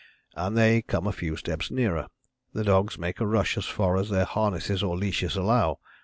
And they come a few steps nearer. The dogs make a rush as far as their harness or leashes allow.